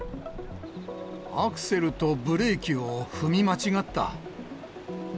アクセルとブレーキを踏み間違った。